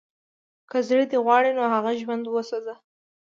که زړه دې غواړي نو هغه ژوندی وسوځوه